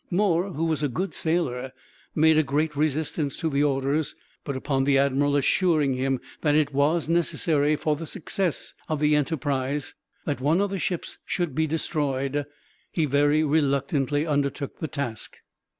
Moore, who was a good sailor, made a great resistance to the orders; but upon the admiral assuring him that it was necessary, for the success of the enterprise, that one of the ships should be destroyed, he very reluctantly undertook the task.